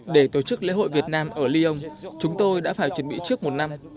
để tổ chức lễ hội việt nam ở lyon chúng tôi đã phải chuẩn bị trước một năm